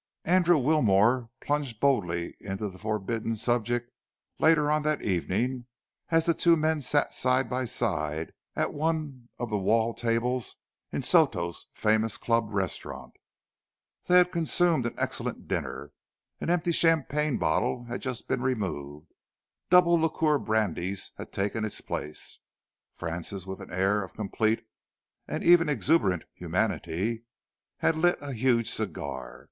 Andrew Wilmore plunged boldly into the forbidden subject later on that evening, as the two men sat side by side at one of the wall tables in Soto's famous club restaurant. They had consumed an excellent dinner. An empty champagne bottle had just been removed, double liqueur brandies had taken its place. Francis, with an air of complete and even exuberant humanity, had lit a huge cigar.